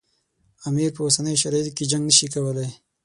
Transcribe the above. امیر په اوسنیو شرایطو کې جنګ نه شي کولای.